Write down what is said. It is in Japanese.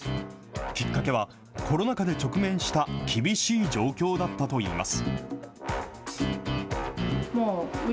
きっかけは、コロナ禍で直面した厳しい状況だったといいます。